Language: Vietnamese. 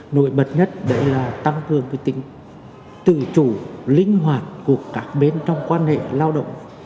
nổi bật nhất đấy là tăng cường tính tự chủ linh hoạt của các bên trong quan hệ lao động